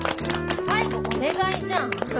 最後お願いじゃん。